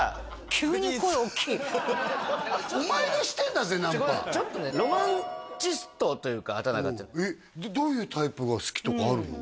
急に声大きいお前がしてんだぜナンパちょっとねロマンチストというか畠中えっどういうタイプが好きとかあるの？